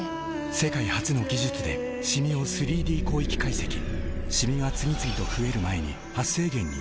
世界初の技術でシミを３Ｄ広域解析シミが次々と増える前に「メラノショットＷ」